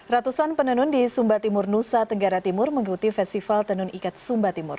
ratusan penenun di sumba timur nusa tenggara timur mengikuti festival tenun ikat sumba timur